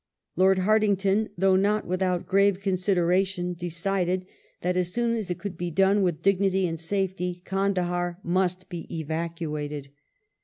Lord Hartington, though not with out grave consideration,^ decided that as soon as it could be done with dignity and safety Kandahar must be evacuated.